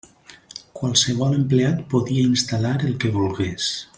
Qualsevol empleat podia instal·lar el que volgués.